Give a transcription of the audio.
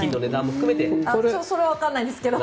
それはわからないですが。